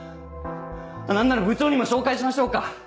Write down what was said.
何なら部長にも紹介しましょうか。